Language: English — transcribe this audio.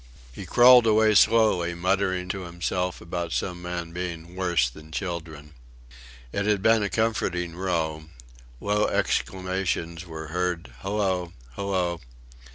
He crawled away slowly, muttering to himself about some men being "worse than children." It had been a comforting row. Low exclamations were heard: "Hallo... Hallo."...